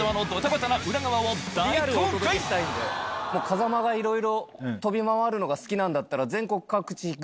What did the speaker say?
・風間がいろいろ飛び回るのが好きなんだったら。